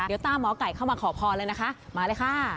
เดี๋ยวตามหมอไก่เข้ามาขอพรเลยนะคะมาเลยค่ะ